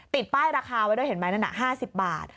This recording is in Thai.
ติดป้ายราคาไว้ด้วยเห็นไหมนั่นน่ะ๕๐บาท